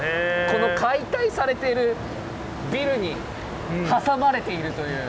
この解体されてるビルに挟まれているという。